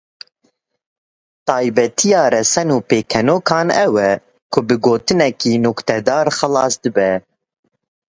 Taybetiya resen a pêkenokan ew e ku bi gotineke nuktedar xilas dibe.